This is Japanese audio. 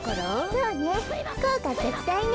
そうねこうかぜつだいね。